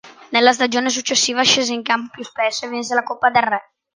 Nella stagione successiva scese in campo più spesso e vinse la Coppa del Re.